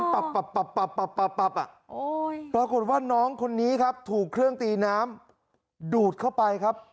ปรากฏว่าน้องคนนี้ครับถูกเครื่องตีน้ำดูดเข้าไปครับ